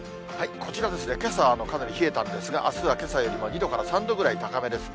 こちら、けさはかなり冷えたんですが、あすはけさよりも２度から３度くらい高めですね。